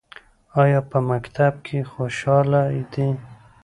ایا په مکتب کې خوشحاله دي؟